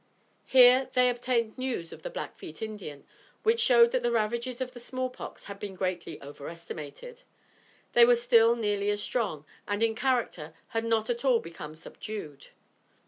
Here they obtained news of the Blackfeet Indians, which showed that the ravages of the small pox had been greatly over estimated. They were still nearly as strong, and in character, had not at all become subdued.